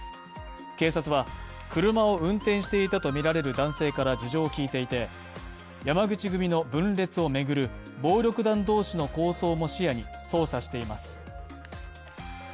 警察は、車を運転していたとみられる男性から事情を聴いていて、山口組の分裂を巡る暴力団同士の抗争も視野に捜査しています。